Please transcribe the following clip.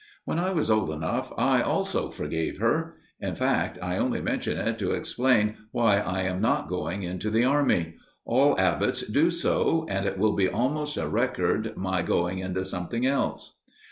When I was old enough I also forgave her. In fact, I only mention it to explain why I am not going into the Army. All Abbotts do so, and it will be almost a record my going into something else.